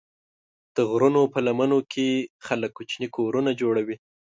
د غرونو په لمنو کې خلک کوچني کورونه جوړوي.